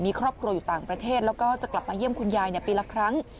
มีครอบครัวอยู่ต่างประเทศแล้วก็จะกลับมาเยี่ยมคุณยายปีละครั้ง